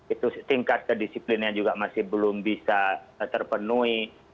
itu tingkat kedisiplinnya juga masih belum bisa terpenuhi